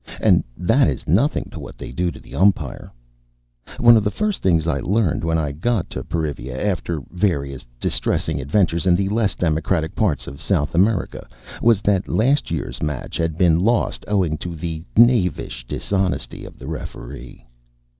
And that is nothing to what they do to the umpire. One of the first things I learned when I got to Perivia, after vari ous distressing adventures in the less democratic parts of South America, was that last year's match had been lost owing to the knavish dishonesty of the referee.